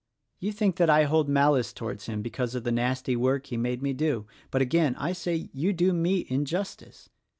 You think that I hold malice towards him because of the nasty work he made me do; but, again, I say you do me injustice.